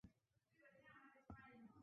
了凡四训正是袁要给儿子的训示。